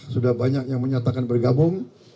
sudah banyak yang menyatakan bergabung